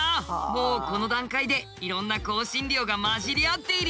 もうこの段階でいろんな香辛料が混じり合っているよ。